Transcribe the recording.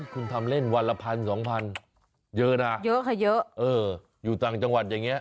คุณทำเล่นวันละ๑๐๐๐๒๐๐๐เยอะนะอยู่ต่างจังหวัดอย่างนี้